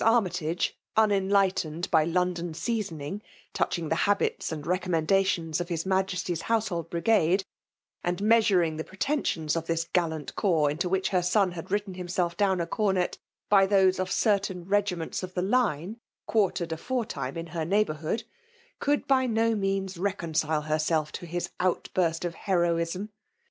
Armjtage* nnentighteAed by London seasoning, touching the habits and xeconnnendations of His Msyesty's Housdhold B^gade, and measuring the pretensions of the gfaHant corps in which her son had written him$clf down a Cornet, by those of certain regiments of the line, quartered aforetime in her neighbourhood, could by no means recoil ed herself to his outburst of heroism.